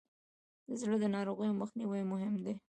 د زړه ناروغیو مخنیوی مهم دی.